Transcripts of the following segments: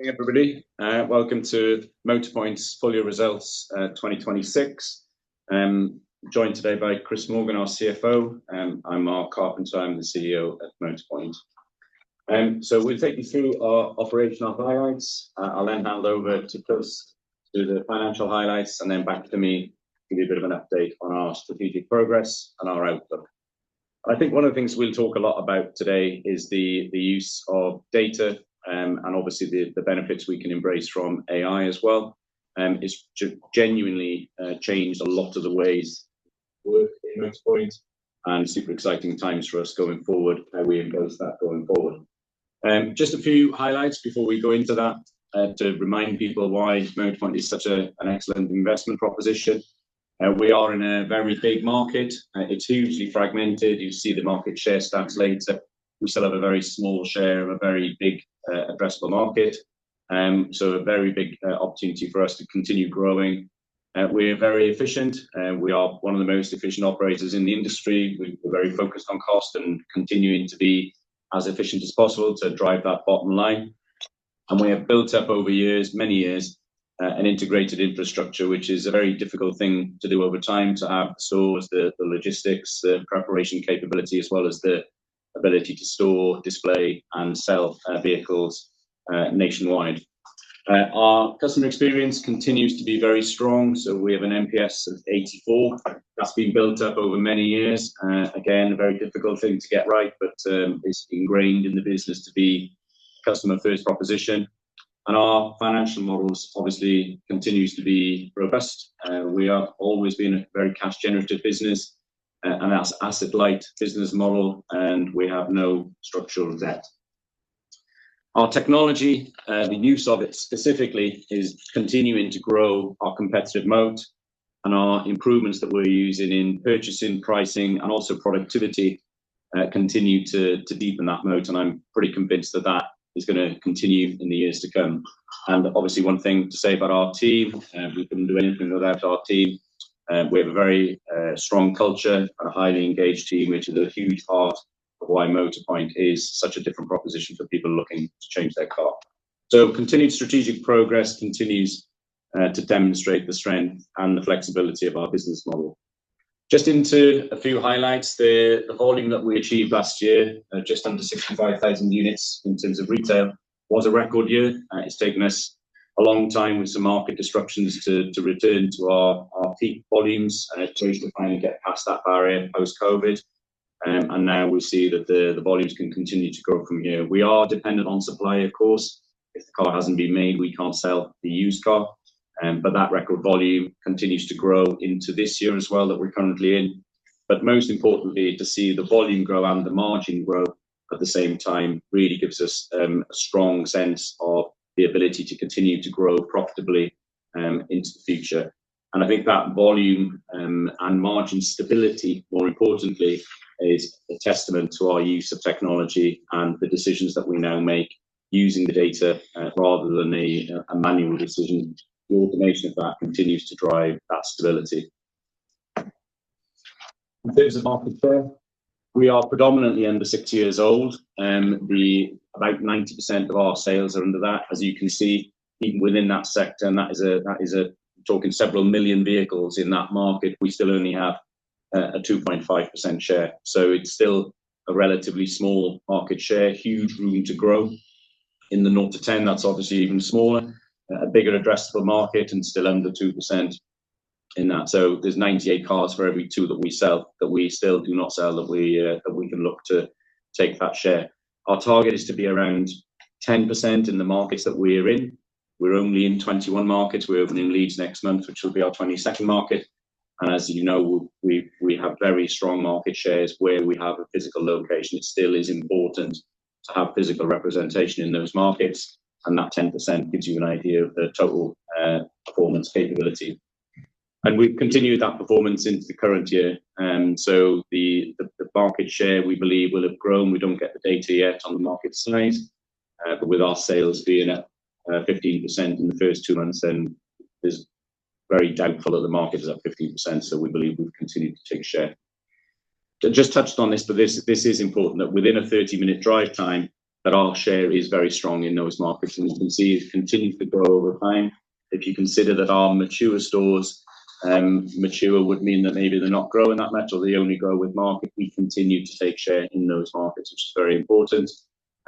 Hey, everybody. Welcome to Motorpoint's full-year results 2026. I'm joined today by Chris Morgan, our CFO. I'm Mark Carpenter, I'm the CEO at Motorpoint. We'll take you through our operational highlights. I'll hand over to Chris to do the financial highlights, and back to me to give you a bit of an update on our strategic progress and our outlook. One of the things we'll talk a lot about today is the use of data, and obviously the benefits we can embrace from AI as well. It's genuinely changed a lot of the ways we work in Motorpoint, and super exciting times for us going forward, how we embrace that going forward. Just a few highlights before we go into that, to remind people why Motorpoint is such an excellent investment proposition. We are in a very big market. It's hugely fragmented. You'll see the market share stats later. We still have a very small share of a very big addressable market. A very big opportunity for us to continue growing. We're very efficient. We are one of the most efficient operators in the industry. We're very focused on cost and continuing to be as efficient as possible to drive that bottom line. We have built up over many years, an integrated infrastructure, which is a very difficult thing to do over time, to have the stores, the logistics, the preparation capability, as well as the ability to store, display, and sell vehicles nationwide. Our customer experience continues to be very strong, so we have an NPS of 84. That's been built up over many years. Again, a very difficult thing to get right, but it's ingrained in the business to be customer first proposition. Our financial models obviously continues to be robust. We have always been a very cash generative business, and that's asset light business model, and we have no structural debt. Our technology, the use of it specifically, is continuing to grow our competitive moat and our improvements that we're using in purchasing, pricing, and also productivity, continue to deepen that moat. I'm pretty convinced that that is going to continue in the years to come. Obviously, one thing to say about our team, we couldn't do anything without our team. We have a very strong culture and a highly engaged team, which is a huge part of why Motorpoint is such a different proposition for people looking to change their car. Continued strategic progress continues to demonstrate the strength and the flexibility of our business model. Just into a few highlights. The volume that we achieved last year, just under 65,000 units in terms of retail, was a record year. It's taken us a long time with some market disruptions to return to our peak volumes, and it's only just to finally get past that barrier post-COVID. Now we see that the volumes can continue to grow from here. We are dependent on supply, of course. If the car hasn't been made, we can't sell the used car. That record volume continues to grow into this year as well, that we're currently in. Most importantly, to see the volume grow and the margin grow at the same time really gives us a strong sense of the ability to continue to grow profitably into the future. I think that volume and margin stability, more importantly, is a testament to our use of technology and the decisions that we now make using the data rather than a manual decision. The automation of that continues to drive that stability. In terms of market share, we are predominantly under six years old. About 90% of our sales are under that. As you can see, even within that sector, and that is talking several million vehicles in that market. We still only have a 2.5% share. It's still a relatively small market share. Huge room to grow. In the 0 to 10, that's obviously even smaller. A bigger addressable market and still under 2% in that. There's 98 cars for every two that we sell that we still do not sell, that we can look to take that share. Our target is to be around 10% in the markets that we're in. We're only in 21 markets. We open in Leeds next month, which will be our 22nd market. As you know, we have very strong market shares where we have a physical location. It still is important to have physical representation in those markets, and that 10% gives you an idea of the total performance capability. We've continued that performance into the current year. The market share, we believe, will have grown. We don't get the data yet on the market size. With our sales being up 15% in the first two months, then it's very doubtful that the market is up 15%, so we believe we've continued to take share. Just touched on this. This is important, that within a 30-minute drive time, that our share is very strong in those markets. As you can see, it continues to grow over time. If you consider that our mature stores, mature would mean that maybe they're not growing that much or they only grow with market. We continue to take share in those markets, which is very important.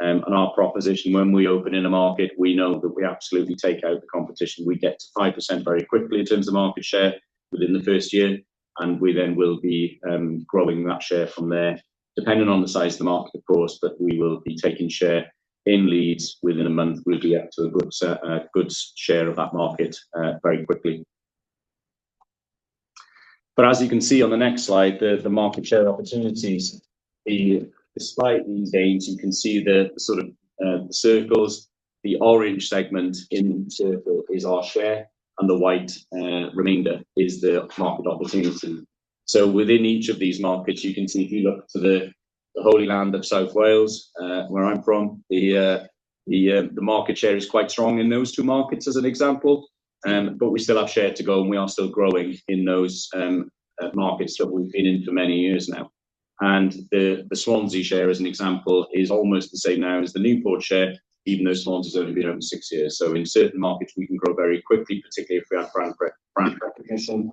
Our proposition when we open in a market, we know that we absolutely take out the competition. We get to 5% very quickly in terms of market share within the first year, and we then will be growing that share from there. Depending on the size of the market, of course, we will be taking share in Leeds within a month. We'll be up to a good share of that market very quickly. As you can see on the next slide, the market share opportunities. Despite these gains, you can see the sort of circles. The orange segment in circle is our share, and the white remainder is the market opportunity. Within each of these markets, you can see if you look to the holy land of South Wales, where I'm from, the market share is quite strong in those two markets as an example. We still have share to go, and we are still growing in those markets that we've been in for many years now. The Swansea share as an example is almost the same now as the Newport share, even though Swansea's only been open six years. In certain markets we can grow very quickly, particularly if we have brand recognition.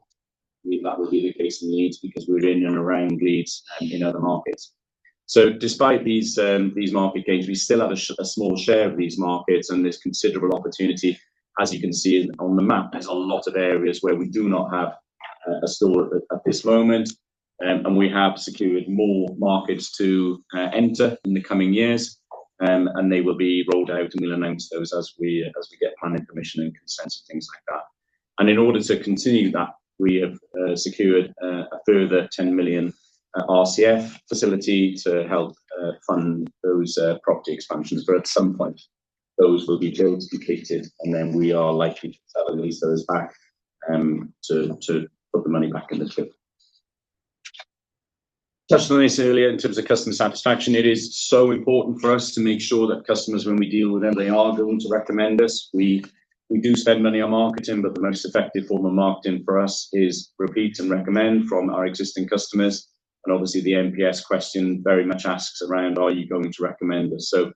We believe that will be the case in Leeds because we're in and around Leeds and in other markets. Despite these market gains, we still have a small share of these markets and there's considerable opportunity. As you can see on the map, there's a lot of areas where we do not have a store at this moment. We have secured more markets to enter in the coming years. They will be rolled out and we'll announce those as we get planning permission and consent and things like that. In order to continue that, we have secured a further 10 million RCF facility to help fund those property expansions. At some point, those will be depleted, and then we are likely to sell and lease those back, to put the money back in the till. Touched on this earlier in terms of customer satisfaction. It is so important for us to make sure that customers, when we deal with them, they are going to recommend us. We do spend money on marketing, but the most effective form of marketing for us is repeat and recommend from our existing customers. Obviously the NPS question very much asks around are you going to recommend us? For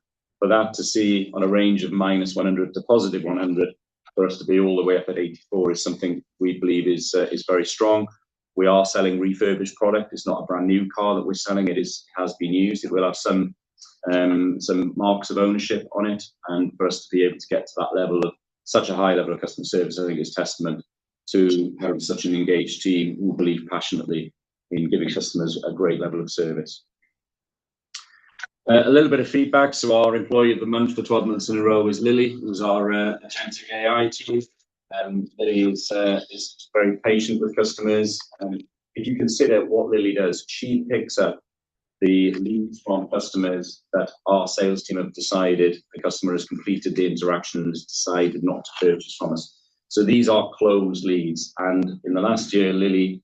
that to see on a range of minus 100 to positive 100, for us to be all the way up at 84 is something we believe is very strong. We are selling refurbished product. It's not a brand-new car that we're selling. It has been used. It will have some marks of ownership on it. For us to be able to get to that level of such a high level of customer service, I think is testament to having such an engaged team who believe passionately in giving customers a great level of service. A little bit of feedback. Our employee of the month for 12 months in a row is Lily, who's our attentive AI chief. Lily is very patient with customers. If you consider what Lily does, she picks up the leads from customers that our sales team have decided the customer has completed the interaction and has decided not to purchase from us. These are closed leads. In the last year, Lily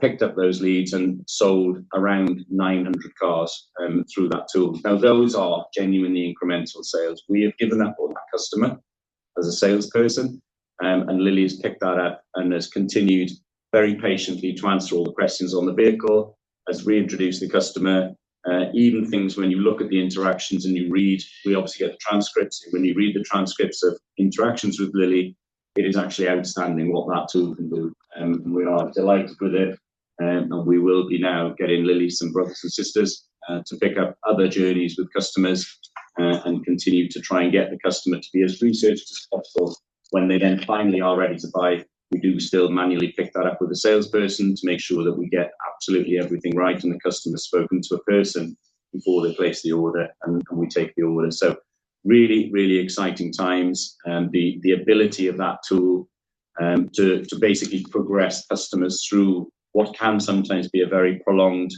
picked up those leads and sold around 900 cars through that tool. Those are genuinely incremental sales. We have given up on that customer as a salesperson, and Lily has picked that up and has continued very patiently to answer all the questions on the vehicle, has reintroduced the customer. Even things when you look at the interactions and you read, we obviously get the transcripts. When you read the transcripts of interactions with Lily, it is actually outstanding what that tool can do. We are delighted with it. We will be now getting Lily some brothers and sisters, to pick up other journeys with customers, and continue to try to get the customer to be as researched as possible. When they then finally are ready to buy, we do still manually pick that up with a salesperson to make sure that we get absolutely everything right and the customer's spoken to a person before they place the order and we take the order. Really exciting times. The ability of that tool, to basically progress customers through what can sometimes be a very prolonged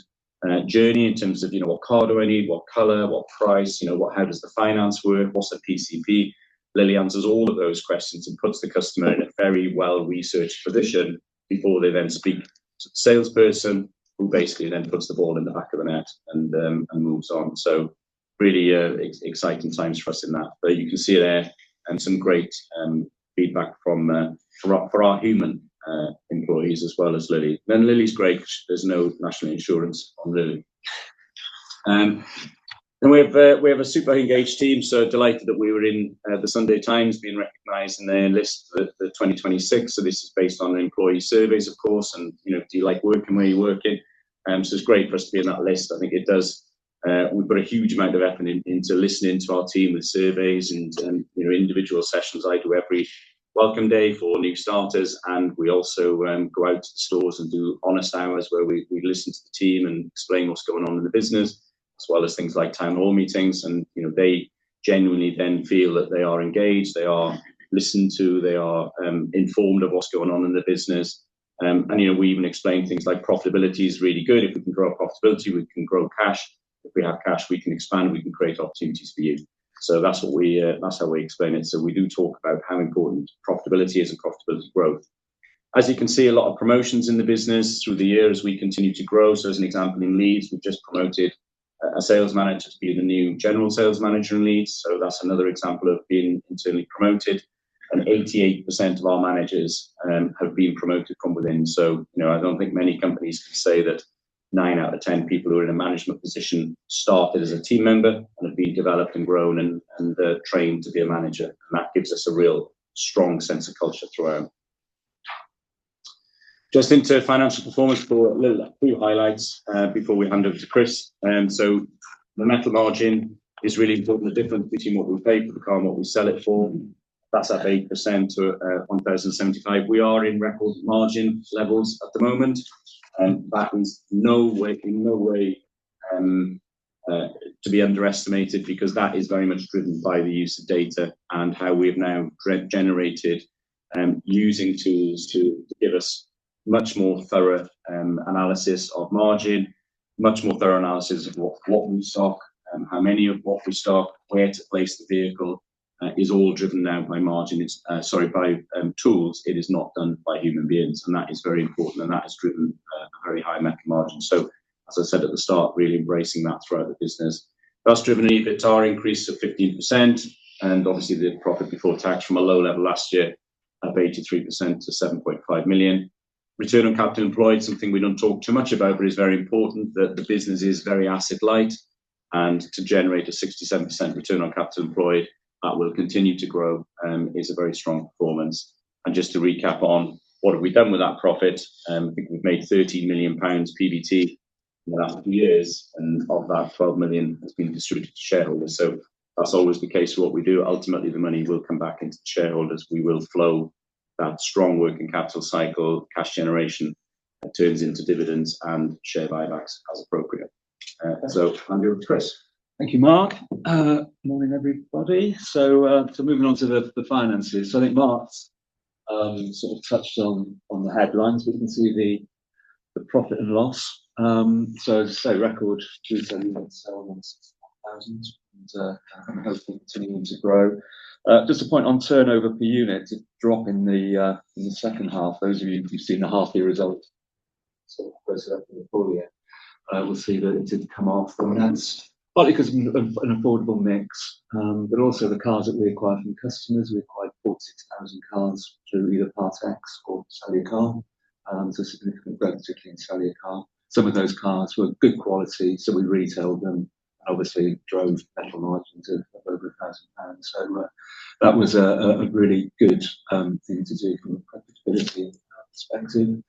journey in terms of what car do I need, what color, what price, how does the finance work, what's the PCP? Lily answers all of those questions and puts the customer in a very well-researched position before they then speak to the salesperson who basically then puts the ball in the back of the net and moves on. Really exciting times for us in that. You can see there some great feedback for our human employees as well as Lily. Lily's great. There's no national insurance on Lily. We have a super engaged team, so delighted that we were in The Sunday Times being recognized in their list for 2026. This is based on employee surveys, of course, and do you like working where you're working? It's great for us to be on that list. I think it does. We've put a huge amount of effort into listening to our team with surveys and individual sessions. I do every welcome day for new starters, and we also go out to the stores and do honest hours where we listen to the team and explain what's going on in the business, as well as things like town hall meetings. They genuinely then feel that they are engaged, they are listened to, they are informed of what's going on in the business. We even explain things like profitability is really good. If we can grow our profitability, we can grow cash. If we have cash, we can expand, we can create opportunities for you. That's how we explain it. We do talk about how important profitability is and profitability growth. As you can see, a lot of promotions in the business through the year as we continue to grow. As an example, in Leeds, we've just promoted a sales manager to be the new general sales manager in Leeds. That's another example of being internally promoted. 88% of our managers have been promoted from within. I don't think many companies can say that 9 out of 10 people who are in a management position started as a team member and have been developed and grown and trained to be a manager. That gives us a real strong sense of culture throughout. Just into financial performance for a few highlights, before we hand over to Chris. The metal margin is really important, the difference between what we pay for the car and what we sell it for. That's up 8% to 1,075. We are in record margin levels at the moment. That is in no way to be underestimated because that is very much driven by the use of data and how we've now generated using tools to give us much more thorough analysis of margin, much more thorough analysis of what we stock and how many of what we stock, where to place the vehicle, is all driven now by margin. Sorry, by tools. It is not done by human beings, and that is very important, and that has driven a very high metal margin. As I said at the start, really embracing that throughout the business. That's driven an EBITDA increase of 15% and obviously the profit before tax from a low level last year up 83% to 7.5 million. Return on Capital Employed, something we don't talk too much about, but it's very important that the business is very asset light and to generate a 67% Return on Capital Employed that will continue to grow is a very strong performance. Just to recap on what have we done with that profit, I think we've made 13 million pounds PBT in the last few years, and of that, 12 million has been distributed to shareholders. That's always the case for what we do. Ultimately, the money will come back into shareholders. We will flow that strong working capital cycle, cash generation turns into dividends and share buybacks as appropriate. Hand over to Chris. Thank you, Mark. Morning, everybody. Moving on to the finances. I think Mark sort of touched on the headlines. We can see the profit and loss. To stay record 271,600 and hopefully continuing to grow. Just a point on turnover per unit, a drop in the second half. Those of you who've seen the half year result, sort of closer to the full year, will see that it did come off from that. Partly because of an affordable mix, but also the cars that we acquired from customers. We acquired 46,000 cars through either Part Ex or Sell Your Car. A significant growth, particularly in Sell Your Car. Some of those cars were good quality, so we retailed them, obviously drove better margins of over 1,000 pounds. That was a really good thing to do from a profitability perspective.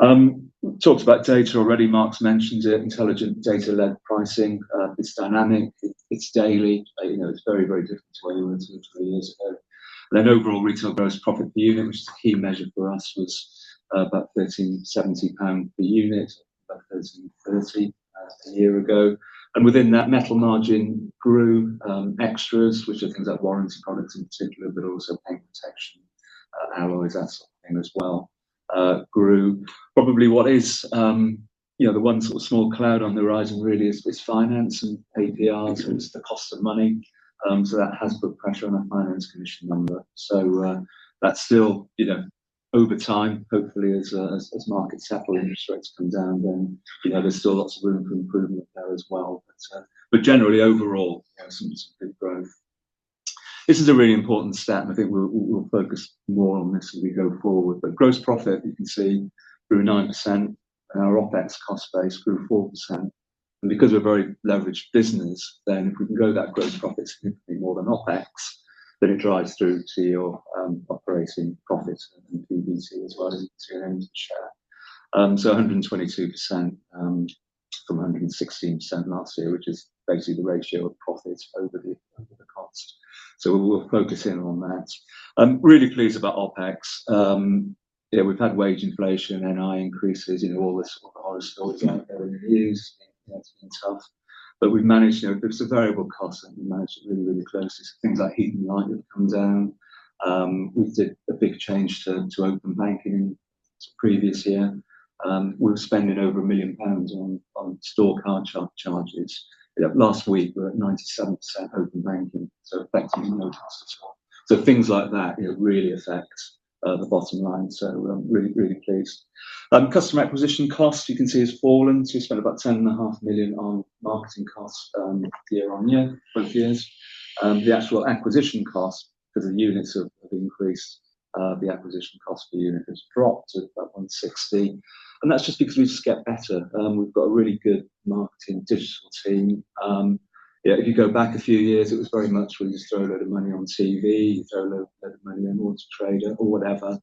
Talked about data already, Mark's mentioned it. Intelligent data-led pricing. It's dynamic, it's daily. It's very different to where we were two or three years ago. Overall retail gross profit per unit, which is the key measure for us, was about 13.70 pound per unit. About GBP 13.30 a year ago. Within that metal margin grew extras, which are things like warranty products in particular, but also paint protection, alloys, that sort of thing as well grew. Probably what is the one sort of small cloud on the horizon really is finance and APRs, it's the cost of money. That has put pressure on that finance commission number. That's still over time, hopefully, as markets settle, interest rates come down, then there's still lots of room for improvement there as well. Generally overall, some big growth. This is a really important stat, I think we'll focus more on this as we go forward. Gross profit, you can see, grew 9%, and our OpEx cost base grew 4%. Because we're a very leveraged business, then if we can grow that gross profit significantly more than OpEx, then it drives through to your operating profit and PBT as well as earnings per share. 122% from 116% last year, which is basically the ratio of profit over the cost. We'll focus in on that. I'm really pleased about OpEx. Yeah, we've had wage inflation, NI increases, all the horror stories out there in the news. It's been tough. We've managed, it's a variable cost, and we managed it really close. Things like heat and light have come down. We did a big change to open banking this previous year. We were spending over 1 million pounds on store card charges. Last week we were at 97% open banking, effectively no cost at all. Things like that really affect the bottom line. I'm really pleased. Customer acquisition cost, you can see, has fallen. We spent about 10.5 million on marketing costs year-on-year, both years. The actual acquisition cost for the units have increased. The acquisition cost per unit has dropped to 160. That's just because we just get better. We've got a really good marketing digital team. If you go back a few years, it was very much we just throw a load of money on TV, throw a load of money on Auto Trader or whatever.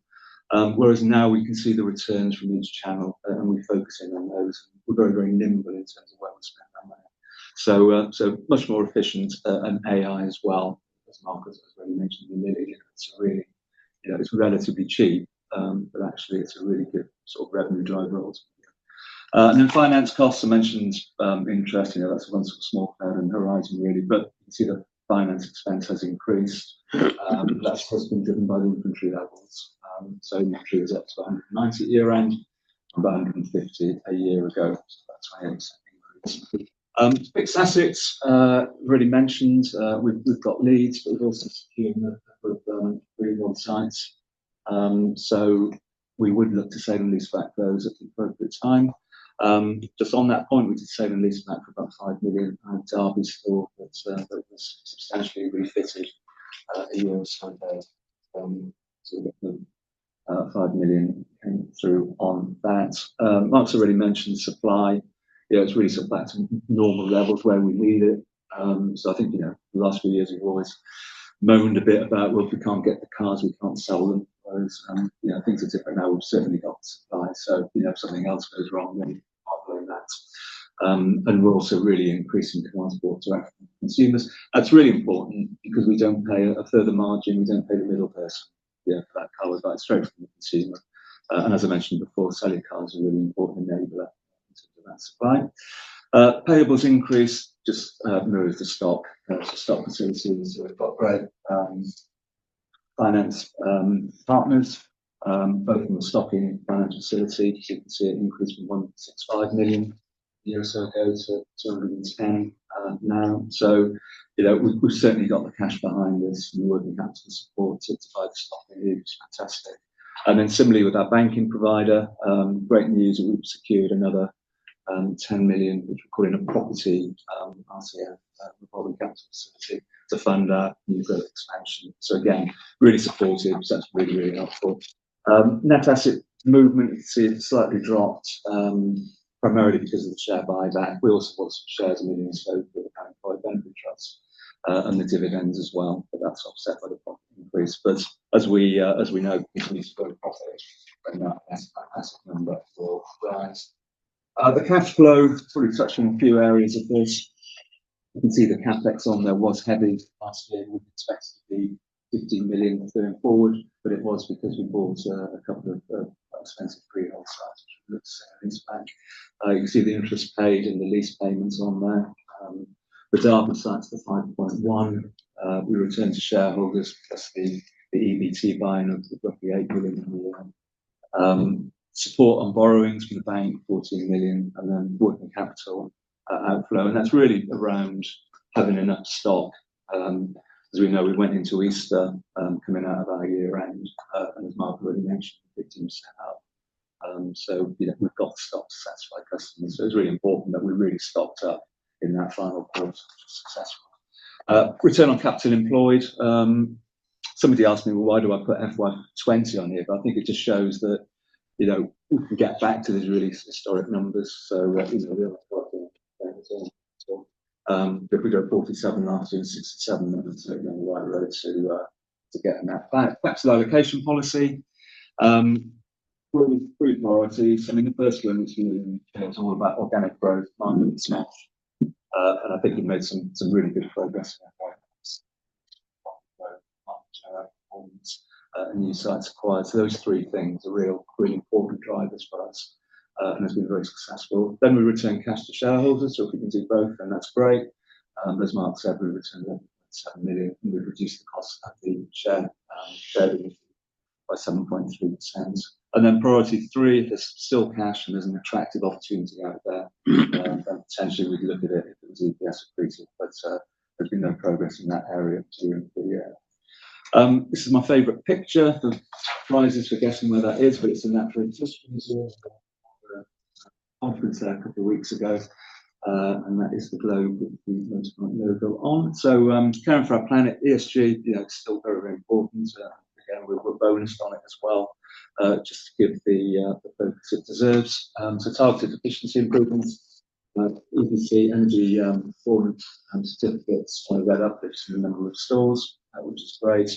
Whereas now we can see the returns from each channel and we're focusing on those. We're very nimble in terms of where we spend our money. Much more efficient and AI as well, as Mark has already mentioned. It's relatively cheap. Actually, it's a really good sort of revenue driver also. Finance costs I mentioned. Interest, that's one small cloud on the horizon really, but you can see the finance expense has increased. That's been driven by the inventory levels. Inventory was up to 190 million year-end, about 150 million a year ago, that's why it increased. Fixed assets, already mentioned. We've got Leeds, but we've also secured a couple of really good sites. We would look to sale and lease back those at the appropriate time. Just on that point, we did sale and lease back for about 5 million. Derby store that was substantially refitted a year or so ago. We got the 5 million came through on that. Mark's already mentioned supply. It's really sort of back to normal levels where we need it. I think the last few years, we've always moaned a bit about, "Well, if we can't get the cars, we can't sell them." Whereas things are different now. We've certainly got supply. If something else goes wrong, then apart from that. We're also really increasing demand bought direct from consumers. That's really important because we don't pay a further margin. We don't pay the middle person. That car was bought straight from the consumer. As I mentioned before, Sell Your Car is a really important enabler in terms of that supply. Payables increase just move the stock. Stock facilities, we've got great finance partners, both in the stocking finance facility. As you can see, it increased from 165 million a year or so ago to 210 million now. We've certainly got the cash behind this and working capital support to buy the stock we need, which is fantastic. Similarly with our banking provider, great news, we've secured another 10 million, which we're calling a property RCF. The holding company facility to fund our new growth expansion. Again, really supportive. That's really helpful. Net asset movement, you can see it's slightly dropped, primarily because of the share buyback. We also got some shares millions over the current employee benefit trust, and the dividends as well. That's offset by the profit increase. As we know, we need to go across asset number for that. The cash flow, probably touch on a few areas of this. You can see the CapEx on there was heavy last year. We expect it to be 15 million going forward, but it was because we bought a couple of expensive pre-owned sites, which looks into bank. You can see the interest paid and the lease payments on there. The development sites, the 5.1, we return to shareholders because the EBT buying of the roughly 8 million a year. Support on borrowings from the bank, 14 million, then working capital outflow. That's really around having enough stock. As we know, we went into Easter, coming out of our year-end, as Mark already mentioned, systems set up. We've got stock to satisfy customers. It's really important that we really stocked up in that final quarter, which was successful. Return on Capital Employed. Somebody asked me, "Well, why do I put FY 2020 on here?" But I think it just shows that we can get back to these really historic numbers, these are real. We're 47 last year, 67, and we're certainly on the right road to getting that back. Back to the allocation policy. Three priorities. I mean, the first one, which we've been talking about, organic growth, and I think we've made some really good progress on that. New sites acquired. Those three things are real important drivers for us, and it's been very successful. We return cash to shareholders, if we can do both, that's great. As Mark said, we returned 7 million, and we reduced the cost of the share dividend by 0.073. Priority three, if there's still cash and there's an attractive opportunity out there, potentially we'd look at it if it was EPS accretive. But there's been no progress in that area during the year. This is my favorite picture. The prize is for guessing where that is, it's a Natural History Museum. Conference there a couple of weeks ago. That is the globe with the Motorpoint logo on. Caring for our planet, ESG, it's still very important. Again, we'll put bonus on it as well, just to give the focus it deserves. Targeted efficiency improvements. You can see energy performance and certificates on a web update in a number of stores, which is great.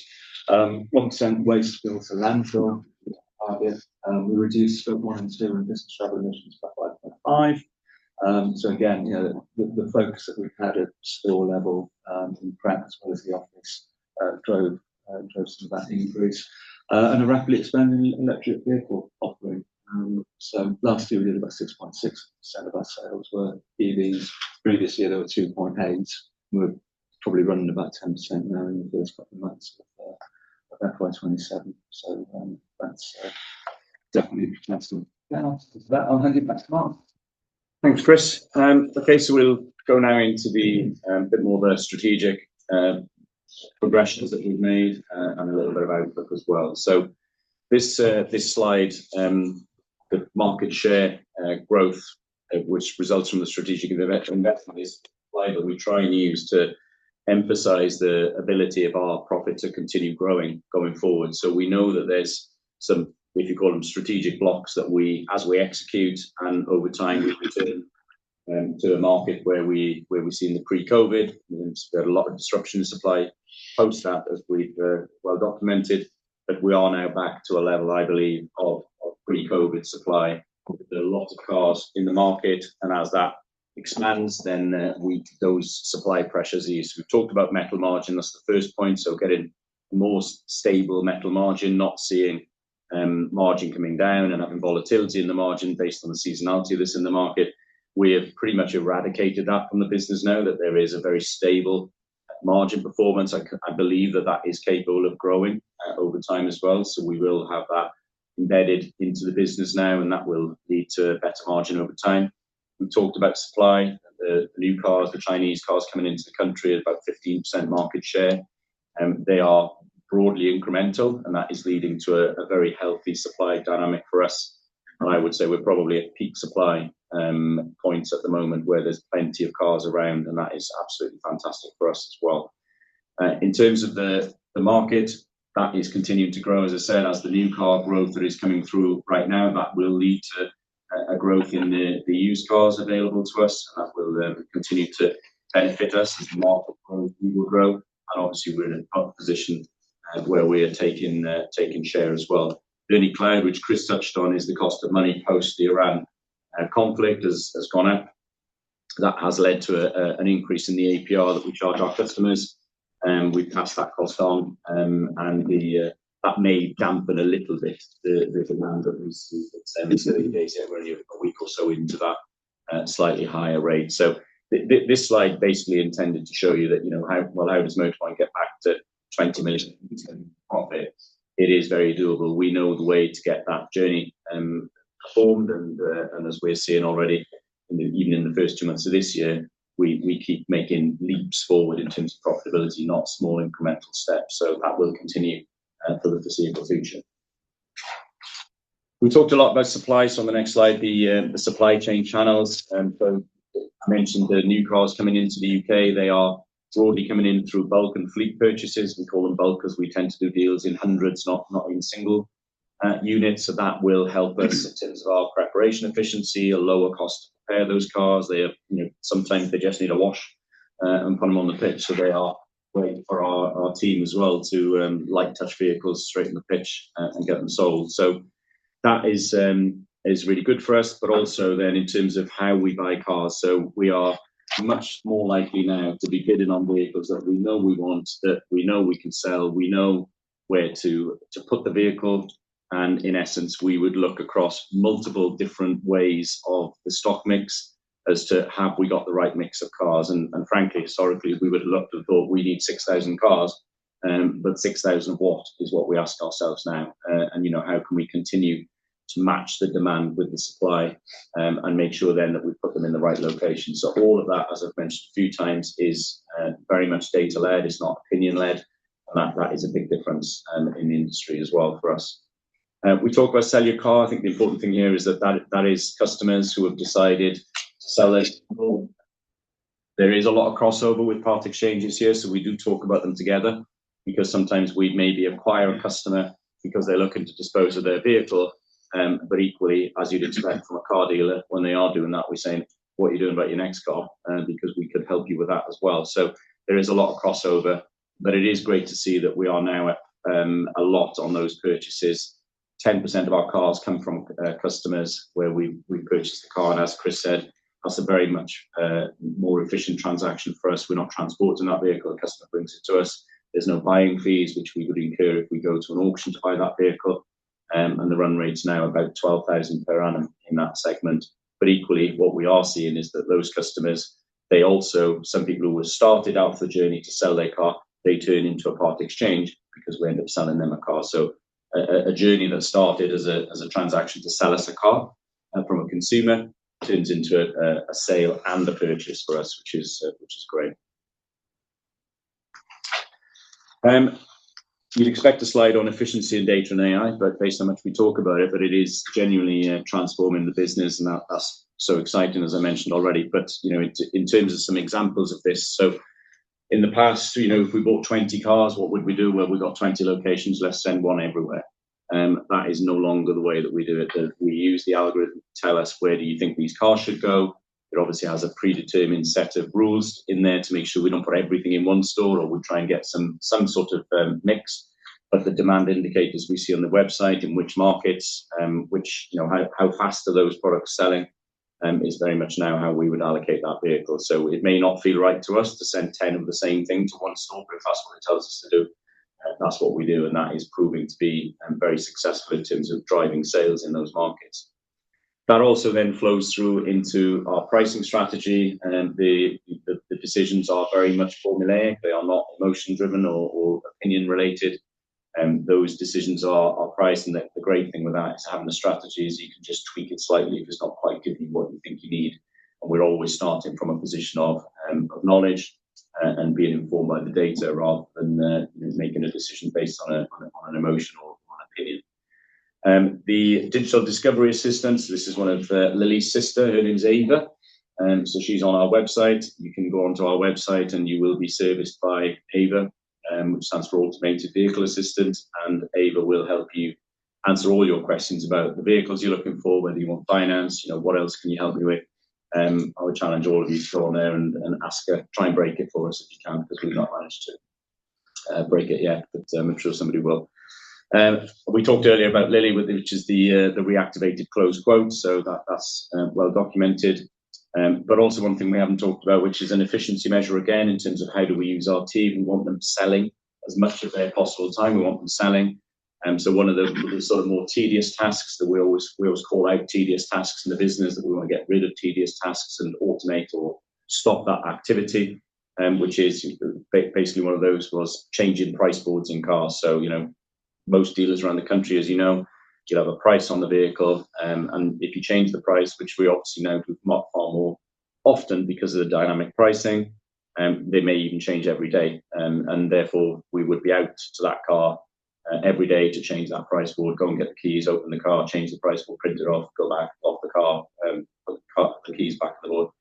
1% waste built to landfill. We reduced scope one and two in business travel emissions by 5.5%. Again, the focus that we've had at store level in prep, as well as the office, drove some of that increase. A rapidly expanding electric vehicle offering. Last year we did about 6.6% of our sales were EVs. The previous year, they were 2.8%. We're probably running about 10% now in the first couple of months of FY 2027. That's definitely fantastic. With that, I'll hand it back to Mark. Thanks, Chris. We'll go now into the bit more of the strategic progressions that we've made and a little bit of outlook as well. This slide, the market share growth which results from the strategic event investment is a slide that we try and use to emphasize the ability of our profit to continue growing going forward. We know that there's some, if you call them strategic blocks, that as we execute and over time we return to the market where we've seen the pre-COVID, we had a lot of disruption in supply post that as we well documented. We are now back to a level, I believe, of pre-COVID supply. There are lots of cars in the market, as that expands, then those supply pressures ease. We've talked about metal margin, that's the first point. Getting a more stable metal margin, not seeing margin coming down and having volatility in the margin based on the seasonality that's in the market. We have pretty much eradicated that from the business now that there is a very stable margin performance. I believe that that is capable of growing over time as well. We will have that embedded into the business now, and that will lead to better margin over time. We talked about supply, the new cars, the Chinese cars coming into the country at about 15% market share. They are broadly incremental, that is leading to a very healthy supply dynamic for us. I would say we're probably at peak supply points at the moment where there's plenty of cars around, that is absolutely fantastic for us as well. In terms of the market, that is continuing to grow. As I said, as the new car growth that is coming through right now, that will lead to a growth in the used cars available to us. That will continue to benefit us as the market grows, we will grow. Obviously, we're in a position where we are taking share as well. The only cloud, which Chris touched on, is the cost of money post the Iran conflict has gone up. That has led to an increase in the APR that we charge our customers, we pass that cost on. That may dampen a little bit the demand that we see in 7 to 30 days. We're only a week or so into that slightly higher rate. This slide basically intended to show you that, how does Motorpoint get back to 20 million in profit? It is very doable. We know the way to get that journey formed, as we're seeing already, even in the first two months of this year, we keep making leaps forward in terms of profitability, not small incremental steps. That will continue for the foreseeable future. We talked a lot about supply. On the next slide, the supply chain channels. Phil mentioned the new cars coming into the U.K., they are broadly coming in through bulk and fleet purchases. We call them bulk because we tend to do deals in hundreds, not in single units. That will help us in terms of our preparation efficiency, a lower cost to prepare those cars. Sometimes they just need a wash and put them on the pitch. They are waiting for our team as well to light touch vehicles straight from the pitch and get them sold. That is really good for us. Also then in terms of how we buy cars. We are much more likely now to be bidding on vehicles that we know we want, that we know we can sell, we know where to put the vehicle. In essence, we would look across multiple different ways of the stock mix as to have we got the right mix of cars. Frankly, historically, we would have looked and thought, we need 6,000 cars. 6,000 what, is what we ask ourselves now. How can we continue to match the demand with the supply and make sure then that we've put them in the right location. All of that, as I've mentioned a few times, is very much data led. It's not opinion led. That is a big difference in the industry as well for us. We talk about Sell Your Car. I think the important thing here is that is customers who have decided to sell us. There is a lot of crossover with part exchanges here. We do talk about them together because sometimes we maybe acquire a customer because they're looking to dispose of their vehicle. Equally, as you'd expect from a car dealer, when they are doing that, we're saying, "What are you doing about your next car? Because we could help you with that as well." There is a lot of crossover, but it is great to see that we are now a lot on those purchases. 10% of our cars come from customers where we purchase the car, and as Chris said, that's a very much more efficient transaction for us. We're not transporting that vehicle. The customer brings it to us. There's no buying fees, which we would incur if we go to an auction to buy that vehicle. The run rate's now about 12,000 per annum in that segment. Equally, what we are seeing is that those customers, some people who have started out the journey to Sell Your Car, they turn into a part exchange because we end up selling them a car. A journey that started as a transaction to sell us a car from a consumer turns into a sale and a purchase for us, which is great. You'd expect a slide on efficiency and data and AI, based on how much we talk about it is genuinely transforming the business, and that's so exciting, as I mentioned already. In terms of some examples of this. In the past, if we bought 20 cars, what would we do? We've got 20 locations, let's send one everywhere. That is no longer the way that we do it. We use the algorithm to tell us where do you think these cars should go. It obviously has a predetermined set of rules in there to make sure we don't put everything in one store or we try and get some sort of mix. The demand indicators we see on the website, in which markets, how fast are those products selling, is very much now how we would allocate that vehicle. It may not feel right to us to send 10 of the same thing to one store, but if that's what it tells us to do, that's what we do. That is proving to be very successful in terms of driving sales in those markets. Also then flows through into our pricing strategy. The decisions are very much formulaic. They are not emotion driven or opinion related. Those decisions are priced, and the great thing with that is having a strategy is you can just tweak it slightly if it's not quite giving you what you think you need. We're always starting from a position of knowledge and being informed by the data rather than making a decision based on an emotion or on opinion. The digital discovery assistants. This is Lily's sister. Her name's Ava. She's on our website. You can go onto our website, and you will be serviced by Ava, which stands for Automated Vehicle Assistant. Ava will help you answer all your questions about the vehicles you're looking for, whether you want finance, what else can you help me with? I would challenge all of you to go on there and ask her. Try and break it for us if you can, because we've not managed to break it yet. I'm sure somebody will. We talked earlier about Lily, which is the attentive AI chief, so that's well documented. One thing we haven't talked about, which is an efficiency measure, again, in terms of how do we use our team. We want them selling as much of their possible time we want them selling. One of the sort of more tedious tasks that we always call out tedious tasks in the business that we want to get rid of tedious tasks and automate or stop that activity, which is basically one of those was changing price boards in cars. Most dealers around the country, as you know, you'll have a price on the vehicle. If you change the price, which we obviously now do far more often because of the dynamic pricing, they may even change every day. We would be out to that car every day to change that price board. Go and get the keys, open the car, change the price board, print it off, go back, off the car, put the keys back to the door.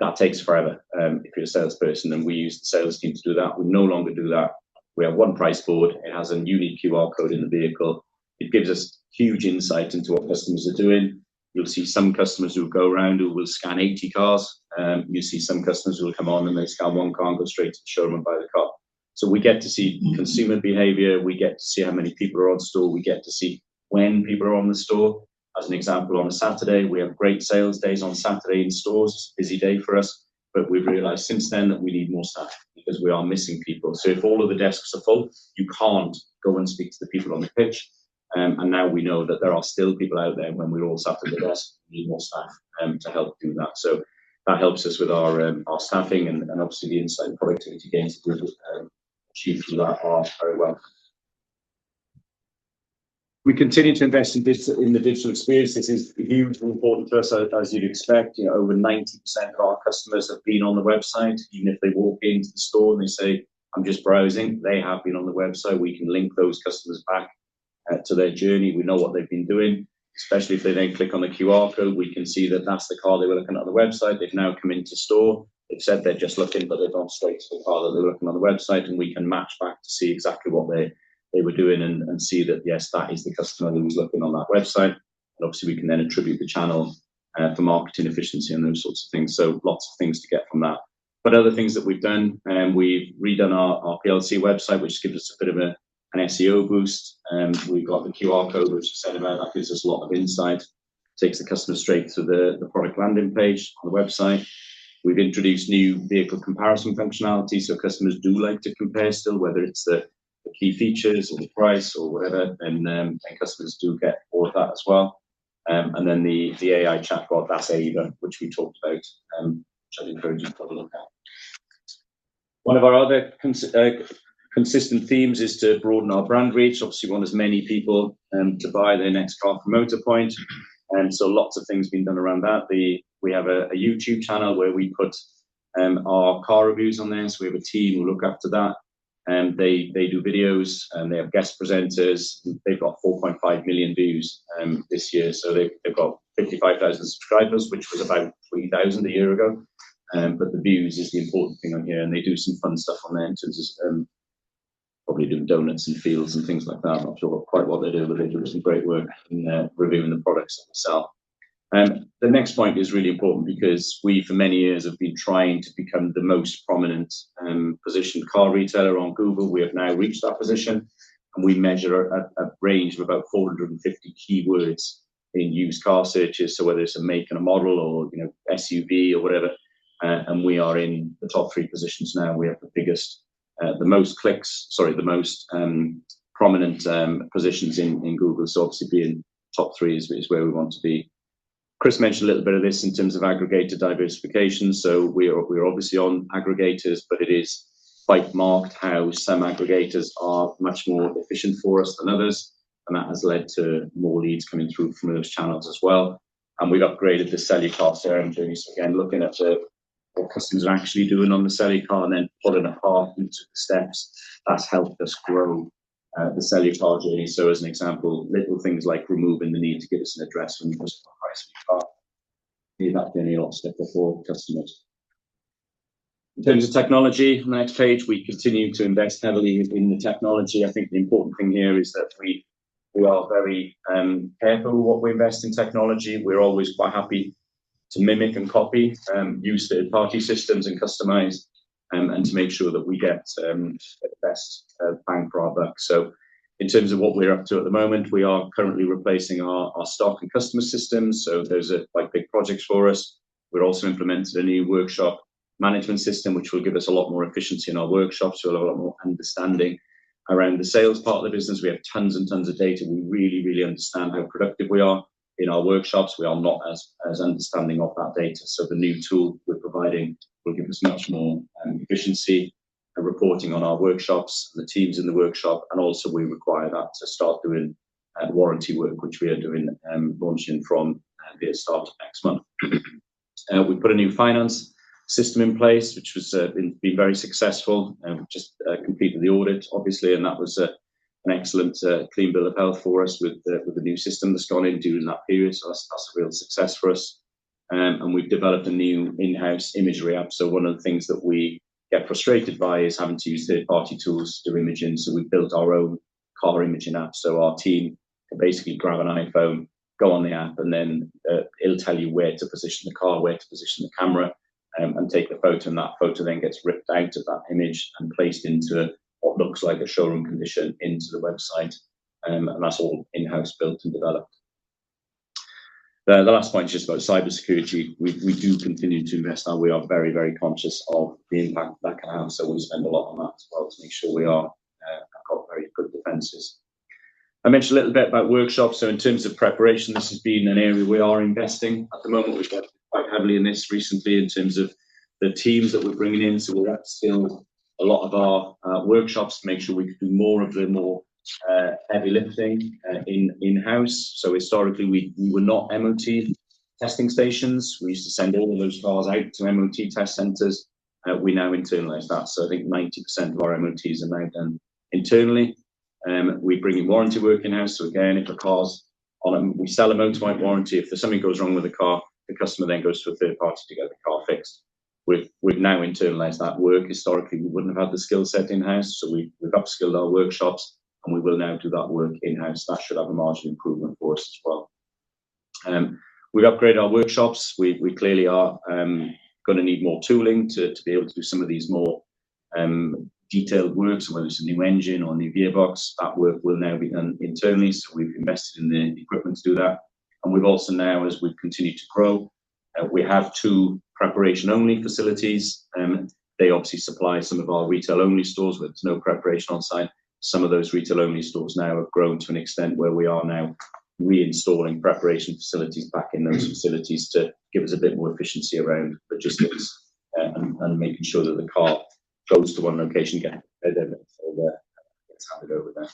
That takes forever if you're a salesperson, and we use the sales team to do that. We no longer do that. We have one price board. It has a unique QR code in the vehicle. It gives us huge insight into what customers are doing. You'll see some customers who go around who will scan 80 cars. You see some customers who will come on, and they scan one car and go straight to the showroom and buy the car. We get to see consumer behavior. We get to see how many people are on store. We get to see when people are on the store. As an example, on a Saturday, we have great sales days on Saturday in stores. Busy day for us. We've realized since then that we need more staff because we are missing people. If all of the desks are full, you can't go and speak to the people on the pitch. Now we know that there are still people out there when we're all sat at the desk. We need more staff to help do that. That helps us with our staffing and obviously the insight and productivity gains we've achieved through that are very well. We continue to invest in the digital experience. This is hugely important to us, as you'd expect. Over 90% of our customers have been on the website. Even if they walk into the store and they say, "I'm just browsing," they have been on the website. We can link those customers back to their journey. We know what they've been doing, especially if they then click on the QR code, we can see that that's the car they were looking at on the website. They've now come into store. They've said they're just looking, but they've not stated so far that they're looking on the website, and we can match back to see exactly what they were doing and see that, yes, that is the customer who was looking on that website. Obviously we can then attribute the channel for marketing efficiency and those sorts of things. Lots of things to get from that. Other things that we've done, we've redone our PLC website, which gives us a bit of an SEO boost. We've got the QR code, which I said about that gives us a lot of insight, takes the customer straight to the product landing page on the website. We've introduced new vehicle comparison functionality. Customers do like to compare still, whether it's the key features or the price or whatever, and customers do get all of that as well. Then the AI chatbot, that's Ava, which we talked about, which I'd encourage you to have a look at. One of our other consistent themes is to broaden our brand reach. Obviously, we want as many people to buy their next car from Motorpoint, lots of things have been done around that. We have a YouTube channel where we put our car reviews on there. We have a team who look after that. They do videos, and they have guest presenters. They've got 4.5 million views this year, they've got 55,000 subscribers, which was about 3,000 a year ago. The views is the important thing on here, and they do some fun stuff on there in terms of probably doing donuts in fields and things like that. I'm not sure quite what they do, but they do some great work in there reviewing the products themselves. The next point is really important because we for many years have been trying to become the most prominent positioned car retailer on Google. We have now reached that position, and we measure a range of about 450 keywords in used car searches. Whether it's a make and a model or SUV or whatever, and we are in the top three positions now. We have the most prominent positions in Google. Obviously being top three is where we want to be. Chris mentioned a little bit of this in terms of aggregator diversification. We are obviously on aggregators, but it is starkly marked how some aggregators are much more efficient for us than others, and that has led to more leads coming through from those channels as well. We've upgraded the Sell Your Car journey. Again, looking at what customers are actually doing on the Sell Your Car and then pulling apart into the steps. That's helped us grow the Sell Your Car journey. As an example, little things like removing the need to give us an address when the customer buys from the car. That's been a lot simpler for customers. In terms of technology, next page, we continue to invest heavily in the technology. I think the important thing here is that we are very careful what we invest in technology. We're always quite happy to mimic and copy, use third-party systems and customize, and to make sure that we get the best bang for our buck. In terms of what we're up to at the moment, we are currently replacing our stock and customer systems. Those are quite big projects for us. We're also implementing a new workshop management system, which will give us a lot more efficiency in our workshops. We'll have a lot more understanding around the sales part of the business. We have tons and tons of data. We really, really understand how productive we are. In our workshops, we are not as understanding of that data. The new tool we're providing will give us much more efficiency and reporting on our workshops and the teams in the workshop, and also we require that to start doing warranty work, which we are doing, launching from the start of next month. We put a new finance system in place, which has been very successful. We've just completed the audit, obviously, and that was an excellent clean bill of health for us with the new system that's gone in during that period. That's a real success for us. We've developed a new in-house imagery app. One of the things that we get frustrated by is having to use third-party tools to do imaging. We've built our own car imaging app. Our team can basically grab an iPhone, go on the app, and then it'll tell you where to position the car, where to position the camera, and take the photo. That photo then gets ripped out of that image and placed into what looks like a showroom condition into the website. That's all in-house built and developed. The last point is just about cybersecurity. We do continue to invest. We are very conscious of the impact that can have. We spend a lot on that as well to make sure we have got very good defenses. I mentioned a little bit about workshops. In terms of preparation, this has been an area we are investing at the moment. We've invested quite heavily in this recently in terms of the teams that we're bringing in. We're upskilling a lot of our workshops to make sure we can do more of the more heavy lifting in-house. Historically, we were not MOT testing stations. We used to send all of those cars out to MOT test centers. We now internalize that. I think 90% of our MOTs are now done internally. We bring in warranty work in-house. Again, if a car's on a Motorpoint Warranty. If something goes wrong with a car, the customer then goes to a third party to get the car fixed. We've now internalized that work. Historically, we wouldn't have had the skill set in-house, we've upskilled our workshops, and we will now do that work in-house. That should have a marginal improvement for us as well. We've upgraded our workshops. We clearly are going to need more tooling to be able to do some of these more detailed works, whether it's a new engine or a new gearbox. That work will now be done internally. We've invested in the equipment to do that. We've also now, as we've continued to grow, we have two preparation-only facilities. They obviously supply some of our retail-only stores where there's no preparation on-site. Some of those retail-only stores now have grown to an extent where we are now reinstalling preparation facilities back in those facilities to give us a bit more efficiency around logistics and making sure that the car goes to one location, get prepped, then gets handed over there.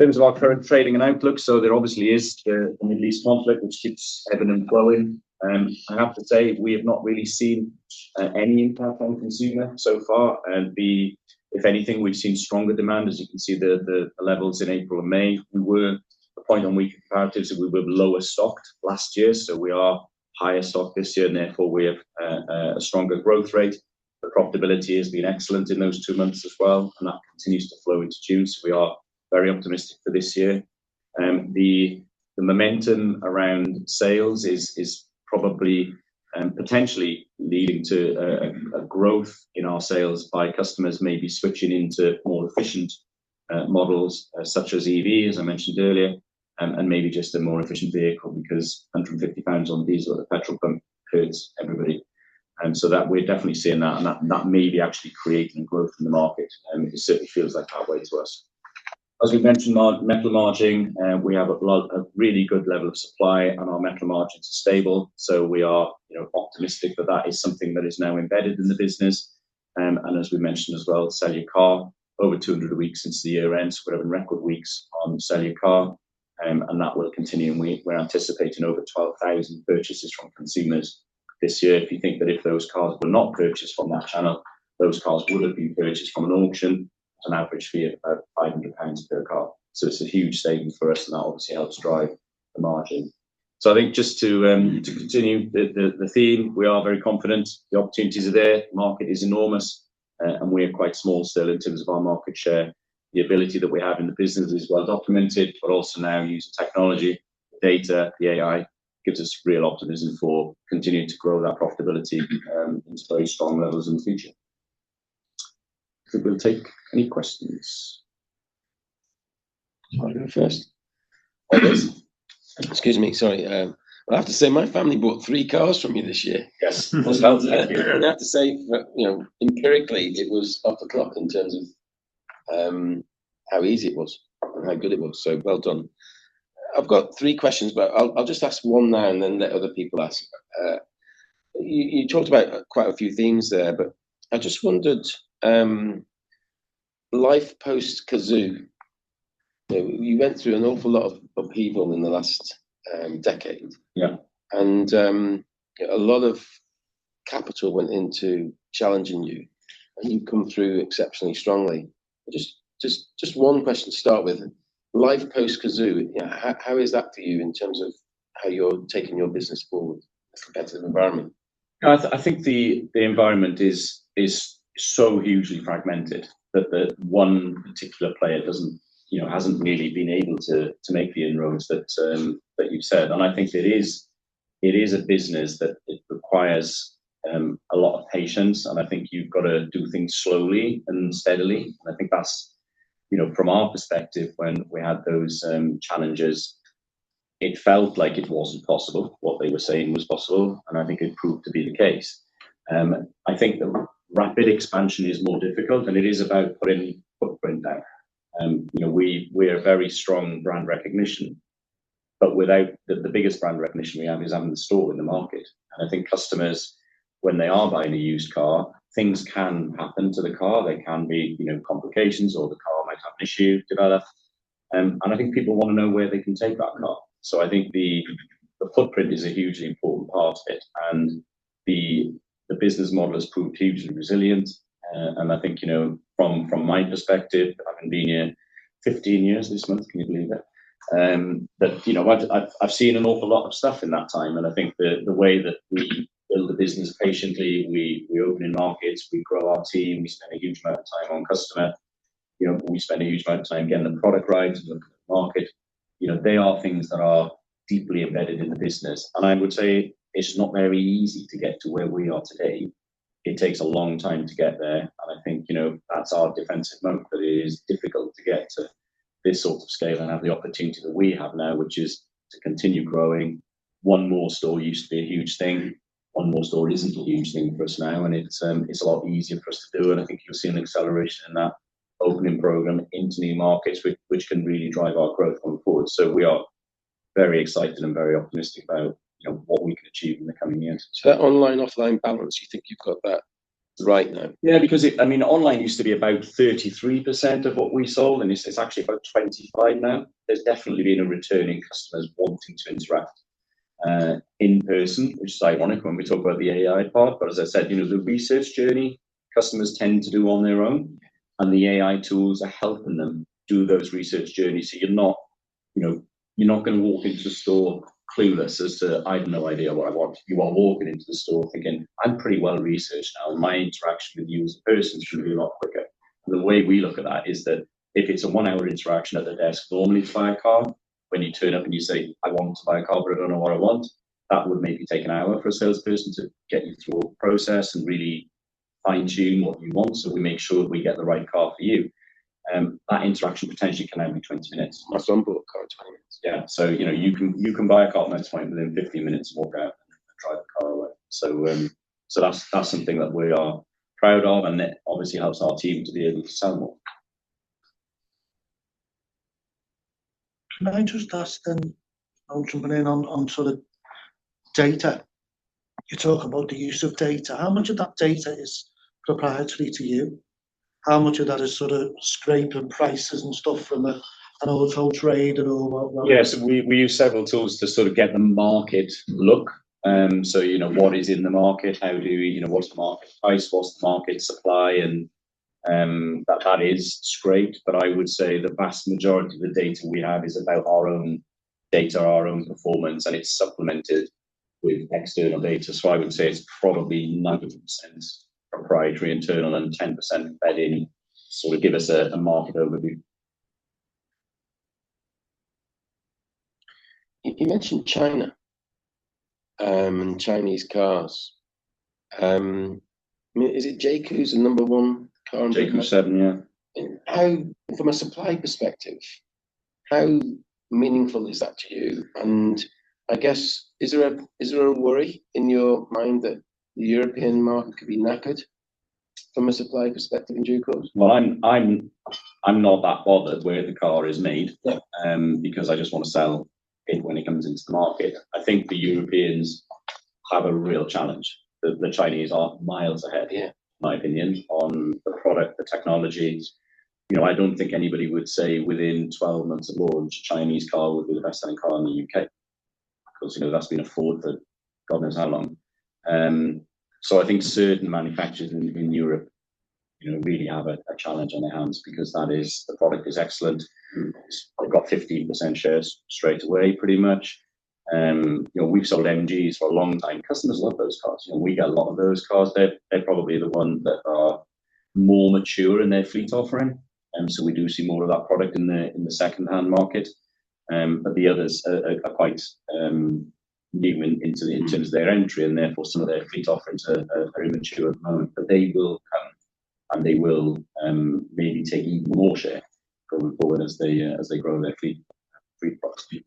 In terms of our current trading and outlook, there obviously is the Middle East conflict, which keeps ebbing and flowing. I have to say, we have not really seen any impact on consumer so far. B, if anything, we've seen stronger demand, as you can see the levels in April and May. We were a point on weaker comparatives that we were lower stocked last year, so we are higher stocked this year and therefore we have a stronger growth rate. The profitability has been excellent in those two months as well, and that continues to flow into June. We are very optimistic for this year. The momentum around sales is probably, potentially leading to a growth in our sales by customers maybe switching into more efficient models such as EV, as I mentioned earlier, and maybe just a more efficient vehicle because 150 pounds on diesel at the petrol pump hurts everybody. We're definitely seeing that, and that may be actually creating growth in the market. It certainly feels like that way to us. As we've mentioned, metal margin. We have a really good level of supply and our metal margins are stable, we are optimistic that is something that is now embedded in the business. As we mentioned as well, Sell Your Car. Over 200 a week since the year end. We're having record weeks on Sell Your Car, and that will continue, and we're anticipating over 12,000 purchases from consumers this year. If you think that if those cars were not purchased from that channel, those cars would've been purchased from an auction at an average fee of about 500 pounds per car. It's a huge saving for us, and that obviously helps drive the margin. I think just to continue the theme, we are very confident. The opportunities are there. The market is enormous, and we are quite small still in terms of our market share. The ability that we have in the business is well documented, but also now using technology, data, the AI, gives us real optimism for continuing to grow that profitability into very strong levels in the future. We'll take any questions. I'll go first. Excuse me. Sorry. Well, I have to say, my family bought three cars from you this year. Yes. Well done. I have to say that empirically it was off the clock in terms of how easy it was and how good it was. Well done. I've got three questions, but I'll just ask one now and then let other people ask. You talked about quite a few themes there, but I just wondered, life post Cazoo. You went through an awful lot of upheaval in the last decade. Yeah. A lot of capital went into challenging you, and you've come through exceptionally strongly. Just one question to start with. Life post Cazoo, how is that for you in terms of how you're taking your business forward in a competitive environment? I think the environment is so hugely fragmented that the one particular player hasn't really been able to make the inroads that you've said. I think it is a business that it requires a lot of patience, and I think you've got to do things slowly and steadily. I think that's, from our perspective, when we had those challenges, it felt like it wasn't possible what they were saying was possible, and I think it proved to be the case. I think the rapid expansion is more difficult, and it is about putting footprint down. We are a very strong brand recognition, but the biggest brand recognition we have is having the store in the market. I think customers, when they are buying a used car, things can happen to the car. There can be complications or the car might have an issue develop. I think people want to know where they can take that car. I think the footprint is a hugely important part of it, and the business model has proved hugely resilient. I think from my perspective, I've been here 15 years this month. Can you believe it? I've seen an awful lot of stuff in that time, and I think the way that we build the business patiently, we open in markets, we grow our team, we spend a huge amount of time on customer. We spend a huge amount of time getting the product right and looking at the market. They are things that are deeply embedded in the business, and I would say it's not very easy to get to where we are today. It takes a long time to get there, and I think that's our defensive moat. That it is difficult to get to this sort of scale and have the opportunity that we have now, which is to continue growing. one more store used to be a huge thing. one more store isn't a huge thing for us now, and it's a lot easier for us to do, and I think you'll see an acceleration in that opening program into new markets, which can really drive our growth going forward. We are very excited and very optimistic about what we can achieve in the coming years. That online-offline balance, you think you've got that right now? Yeah, because online used to be about 33% of what we sold, and it's actually about 25 now. There's definitely been a return in customers wanting to interact in person, which is ironic when we talk about the AI part. As I said, the research journey customers tend to do on their own, and the AI tools are helping them do those research journeys. You're not going to walk into a store clueless as to, "I have no idea what I want." You are walking into the store thinking, "I'm pretty well researched now. My interaction with you as a person should be a lot quicker." The way we look at that is that if it's a one-hour interaction at the desk normally to buy a car, when you turn up and you say, "I want to buy a car, but I don't know what I want," that would maybe take an hour for a salesperson to get you through a process and really fine-tune what you want, so we make sure that we get the right car for you. That interaction potentially can now be 20 minutes. My son bought a car in 20 minutes. Yeah. You can buy a car at most 20 minutes, within 15 minutes, walk out and drive the car away. That's something that we are proud of and that obviously helps our team to be able to sell more. Can I just ask then, I'll jump in on sort of data. You talk about the use of data. How much of that data is proprietary to you? How much of that is scraping prices and stuff from an Auto Trader and all that? Yes, we use several tools to get the market look. What is in the market? What's the market price? What's the market supply? That is scraped, but I would say the vast majority of the data we have is about our own data, our own performance, and it's supplemented with external data. I would say it's probably 90% proprietary internal and 10% embedded, sort of give us a market overview. You mentioned China, and Chinese cars. Is it JAC who's the number one car in- JAC S7, yeah. From a supply perspective, how meaningful is that to you? I guess, is there a worry in your mind that the European market could be knackered from a supply perspective in JAC? Well, I'm not that bothered where the car is made. Yeah. I just want to sell it when it comes into the market. I think the Europeans have a real challenge. The Chinese are miles ahead- Yeah in my opinion, on the product, the technologies. I don't think anybody would say within 12 months of launch, a Chinese car would be the best-selling car in the U.K. That's been a Ford for god knows how long. I think certain manufacturers in Europe really have a challenge on their hands because the product is excellent. They've got 15% shares straight away pretty much. We've sold MGs for a long time. Customers love those cars. We get a lot of those cars. They're probably the ones that are more mature in their fleet offering. We do see more of that product in the secondhand market. The others are quite new in terms of their entry, and therefore some of their fleet offerings are very mature at the moment. They will come, and they will maybe take even more share going forward as they grow their fleet position.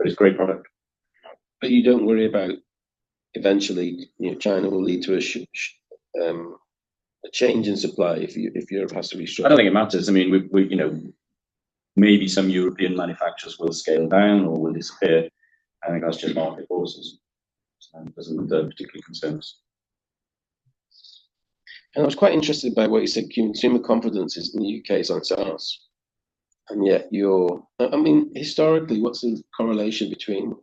It's a great product. You don't worry about eventually China will lead to a change in supply if Europe has to be shut? I don't think it matters. Maybe some European manufacturers will scale down or will disappear. I think that's just market forces. Doesn't particularly concern us. I was quite interested by what you said, consumer confidence is in the U.K. is on its arse. Historically, what's the correlation between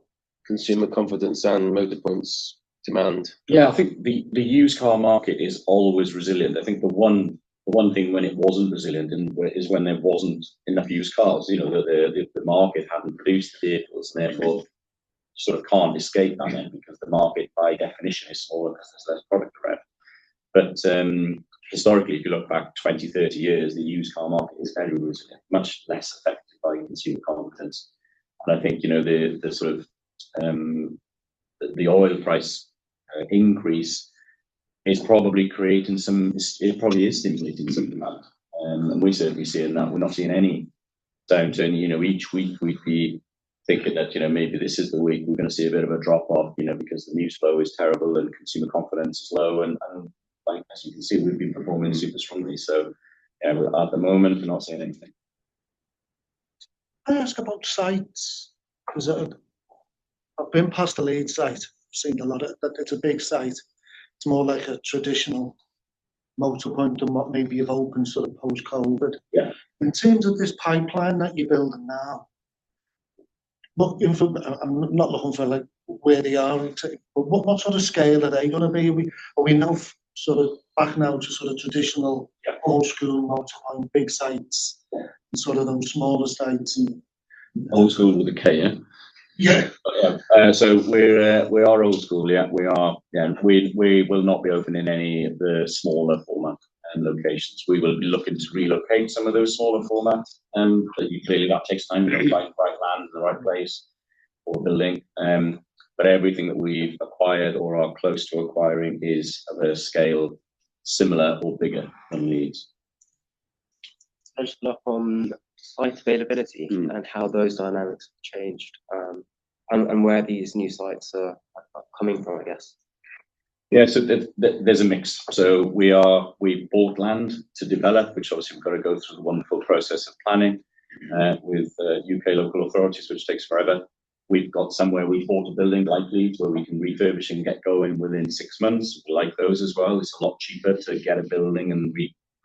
consumer confidence and Motorpoint's demand? I think the used car market is always resilient. I think the one thing when it wasn't resilient is when there wasn't enough used cars. The market hadn't produced the vehicles, therefore can't escape that then because the market by definition is smaller as there's less product around. Historically, if you look back 20, 30 years, the used car market is very resilient, much less affected by consumer confidence. I think the oil price increase is probably stimulating some demand. We certainly are seeing that. We're not seeing any downturn. Each week we'd be thinking that maybe this is the week we're going to see a bit of a drop-off because the news flow is terrible and consumer confidence is low, and as you can see, we've been performing super strongly. At the moment, we're not seeing anything. Can I ask about sites? I've been past the Leeds site. I've seen a lot of It's a big site. It's more like a traditional Motorpoint than what maybe you've opened post-COVID. Yeah. In terms of this pipeline that you're building now, I'm not looking for where they are exactly, but what sort of scale are they going to be? Are we now back to traditional old school Motorpoint, big sites? Yeah. Sort of those smaller sites and Old school with a K, yeah? Yeah. We are old school, yeah, we are. Yeah. We will not be opening any of the smaller format locations. We will be looking to relocate some of those smaller formats. Clearly that takes time to find the right land in the right place or the link. Everything that we've acquired or are close to acquiring is of a scale similar or bigger than Leeds. Just on site availability. How those dynamics have changed. Where these new sites are coming from, I guess. Yeah, there's a mix. We bought land to develop, which obviously we've got to go through the wonderful process of planning. with U.K. local authorities, which takes forever. We've got somewhere we've bought a building, like Leeds, where we can refurbish and get going within 6 months. We like those as well. It's a lot cheaper to get a building and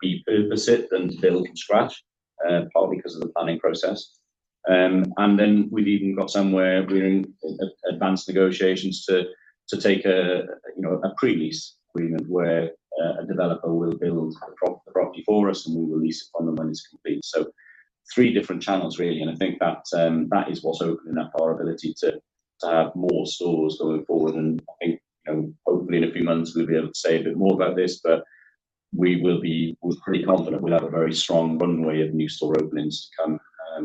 repurpose it than to build from scratch, partly because of the planning process. We've even got somewhere we're in advanced negotiations to take a pre-lease agreement where a developer will build the property for us, and we release it when the money's complete. Three different channels really, and I think that is what's opening up our ability to have more stores going forward. I think, hopefully in a few months we'll be able to say a bit more about this, but we're pretty confident we'll have a very strong runway of new store openings to come,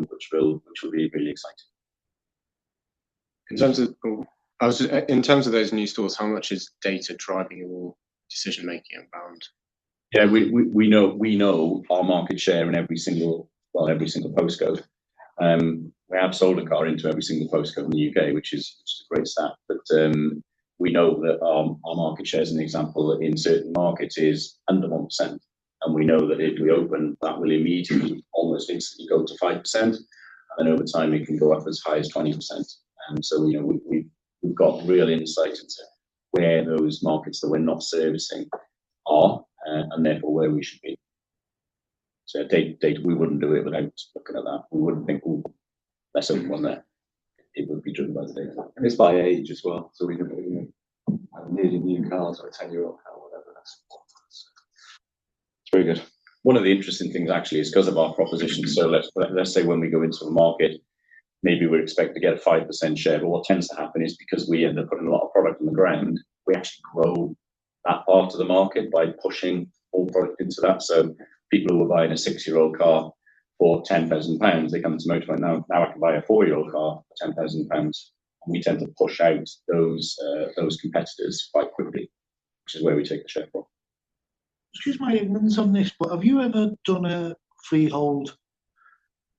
which will be really exciting. In terms of those new stores, how much is data driving your decision-making around? Yeah, we know our market share in every single postcode. We have sold a car into every single postcode in the U.K., which is a great stat. We know that our market share, as an example, in certain markets is under 1%. We know that if we open, that will immediately, almost instantly, go to 5%, and over time it can go up as high as 20%. We've got real insight into where those markets that we're not servicing are, and therefore where we should be. Data, we wouldn't do it without looking at that. We wouldn't think, "Ooh, let's open one there." It would be driven by the data. It's by age as well, we can put a really new car to a 10-year-old car or whatever. That's important. Very good. One of the interesting things actually is because of our proposition. Let's say when we go into a market, maybe we expect to get 5% share. What tends to happen is because we end up putting a lot of product on the ground, we actually grow that part of the market by pushing more product into that. People who are buying a six-year-old car for 10,000 pounds, they come into Motorpoint. Now I can buy a four-year-old car for 10,000 pounds, and we tend to push out those competitors quite quickly. Which is where we take the share from. Excuse my ignorance on this, have you ever done a freehold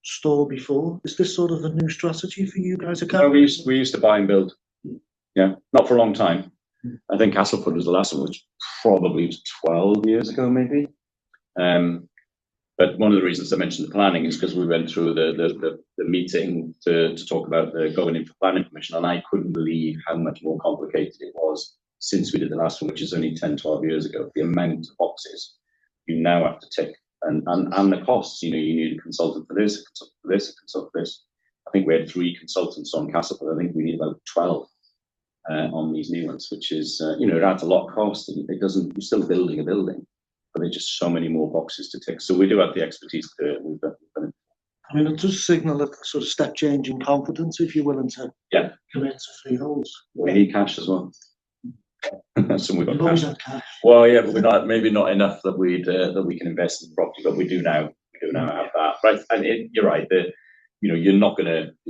store before? Is this sort of a new strategy for you guys? No, we used to buy and build. Yeah. Not for a long time. I think Castleford was the last one, which probably was 12 years ago maybe. One of the reasons I mentioned the planning is because we went through the meeting to talk about going into planning permission, and I couldn't believe how much more complicated it was since we did the last one, which is only 10, 12 years ago. The amount of boxes you now have to tick, and the costs. You need a consultant for this, a consultant for this, a consultant for this. I think we had three consultants on Castleford. I think we need about 12 on these new ones. It adds a lot of cost, and you're still building a building, but there are just so many more boxes to tick. We do have the expertise. We've got- It does signal a sort of step change in confidence, if you're willing to- Yeah commit to freeholds. We need cash as well. We've got cash. You've always had cash. Well, yeah, maybe not enough that we can invest in property. We do now have that. You're right, you're not going to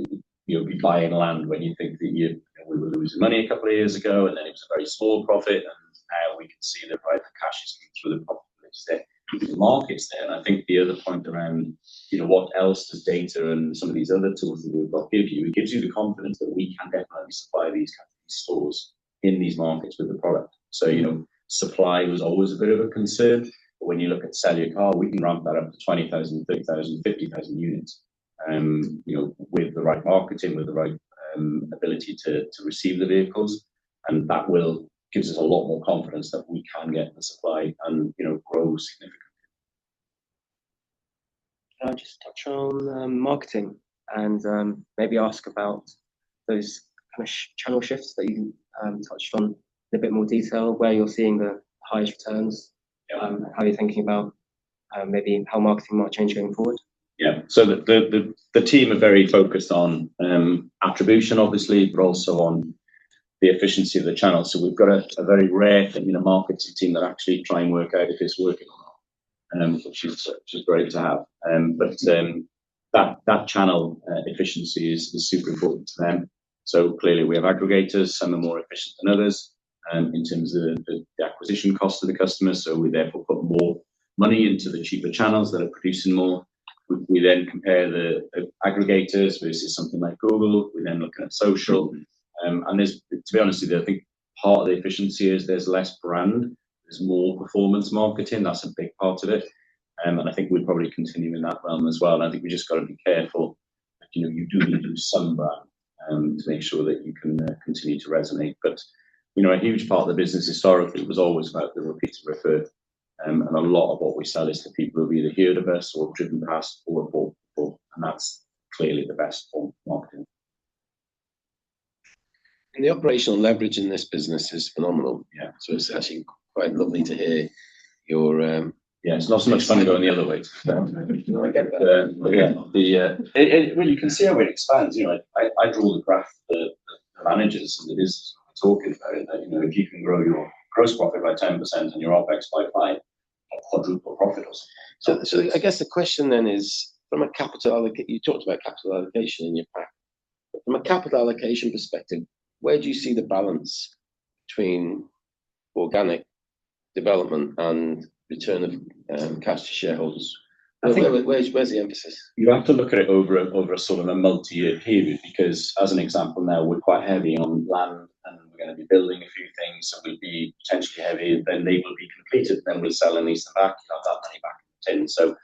be buying land when you think that we were losing money a couple of years ago, then it was a very small profit, and now we can see that right, the cash is coming through the profits there, through the markets there. I think the other point around what else does data and some of these other tools that we've got give you? It gives you the confidence that we can go and supply these kinds of stores in these markets with the product. Supply was always a bit of a concern. When you look at Sell Your Car, we can ramp that up to 20,000, 30,000, 50,000 units, with the right marketing, with the right ability to receive the vehicles. That gives us a lot more confidence that we can get the supply and grow significantly. Can I just touch on marketing and maybe ask about those kind of channel shifts that you touched on in a bit more detail, where you're seeing the highest returns? Yeah. How are you thinking about maybe how marketing might change going forward? Yeah. The team are very focused on attribution, obviously, but also on the efficiency of the channel. We've got a very rare thing in a marketing team that actually try and work out if it's working or not, which is great to have. That channel efficiency is super important to them. Clearly we have aggregators. Some are more efficient than others in terms of the acquisition cost of the customer. We therefore put more money into the cheaper channels that are producing more. We then compare the aggregators versus something like Google. We then look at social. To be honest with you, I think part of the efficiency is there's less brand, there's more performance marketing. That's a big part of it. I think we'd probably continue in that realm as well. I think we've just got to be careful. You do need to do some brand to make sure that you can continue to resonate. A huge part of the business historically was always about the repeats, referred. A lot of what we sell is to people who have either heard of us or driven past or bought before. That's clearly the best form of marketing. The operational leverage in this business is phenomenal. Yeah. It's actually quite lovely to hear your. Yeah, it's not so much fun going the other way. I get that. You can see how it expands. I draw the graph that manages the business I talk about, that if you can grow your gross profit by 10% and your OpEx by five, you'll quadruple profits. I guess the question then is from a capital allocation, you talked about capital allocation in your pack. From a capital allocation perspective, where do you see the balance between organic development and return of cash to shareholders? I think- Where's the emphasis? You have to look at it over a sort of a multi-year period, because as an example now, we're quite heavy on land and we're going to be building a few things, so we'll be potentially heavy. They will be completed, then we'll sell them, lease them back, have that money back in the tin.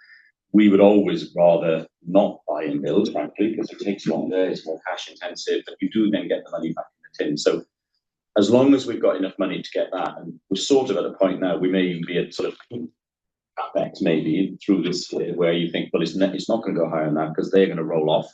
We would always rather not buy and build, frankly, because it takes longer, it's more cash intensive, but we do then get the money back in the tin. As long as we've got enough money to get that, and we're sort of at a point now we may even be at sort of CapEx maybe through this, where you think, "Well, it's not going to go higher than that because they're going to roll off."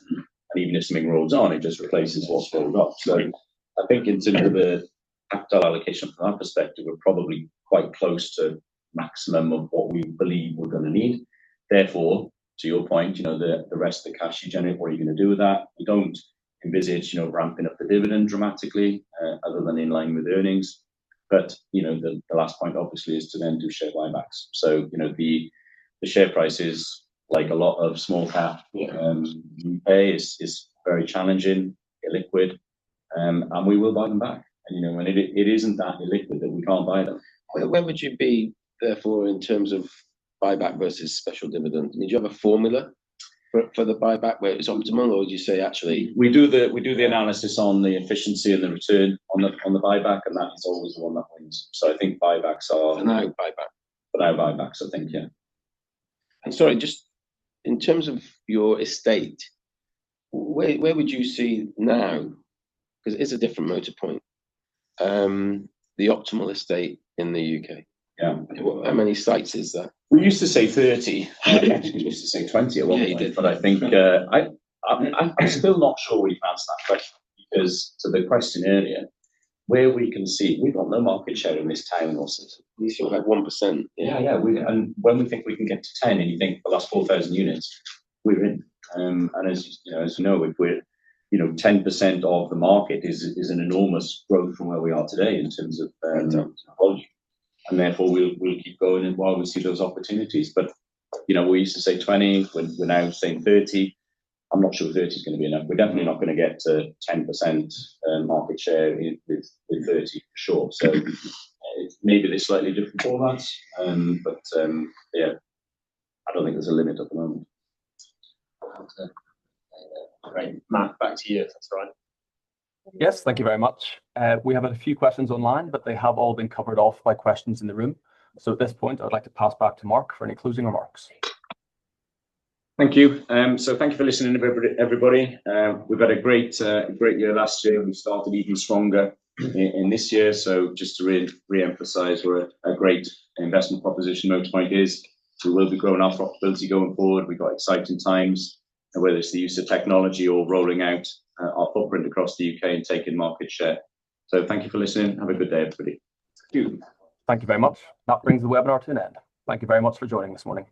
Even if something rolls on, it just replaces what's rolled off. I think in terms of capital allocation from that perspective, we're probably quite close to maximum of what we believe we're going to need. To your point, the rest of the cash you generate, what are you going to do with that? We don't envisage ramping up the dividend dramatically, other than in line with earnings. The last point obviously is to then do share buybacks. The share price is like a lot of small cap- Yeah U.K. is very challenging, illiquid, we will buy them back. It isn't that illiquid that we can't buy them. Where would you be, therefore, in terms of buyback versus special dividend? Do you have a formula? For the buyback where it's optimal, or do you say actually- We do the analysis on the efficiency and the return on the buyback, that is always the one that wins. I think buybacks are- For now, buyback For now, buybacks. I think, yeah. Sorry, just in terms of your estate, where would you see now, because it is a different Motorpoint, the optimal estate in the U.K.? Yeah. How many sites is that? We used to say 30. Okay. We used to say 20 a long time ago. Yeah, you did. I think I'm still not sure we've answered that question because to the question earlier, where we can see, we've got no market share in this town or city. We've still got 1%. Yes, when we think we can get to 10, and you think the last 4,000 units we're in. As you know, 10% of the market is an enormous growth from where we are today in terms of volume. Therefore, we'll keep going and while we see those opportunities. We used to say 20, we're now saying 30. I'm not sure 30 is going to be enough. We're definitely not going to get to 10% market share with 30, for sure. Maybe they're slightly different formats. Yes, I don't think there's a limit at the moment. Okay. Great. Matt, back to you, if that's all right. Yes, thank you very much. We have had a few questions online, but they have all been covered off by questions in the room. At this point, I'd like to pass back to Mark for any closing remarks. Thank you. Thank you for listening, everybody. We've had a great year last year. We've started even stronger in this year. Just to re-emphasize what a great investment proposition Motorpoint is. We'll be growing our profitability going forward. We've got exciting times, and whether it's the use of technology or rolling out our footprint across the U.K. and taking market share. Thank you for listening. Have a good day, everybody. Thank you very much. That brings the webinar to an end. Thank you very much for joining this morning.